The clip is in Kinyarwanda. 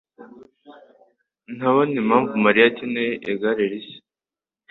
ntabona impamvu Mariya akeneye igare rishya.